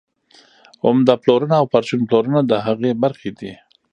عمده پلورنه او پرچون پلورنه د هغې برخې دي